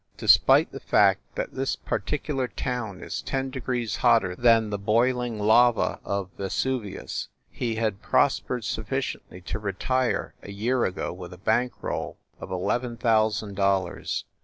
Despite the fact that this particular town is ten degrees hotter than the boiling lava of Vesuvius, he had prospered sufficiently to retire a year ago with a bank roll of eleven thousand dollars.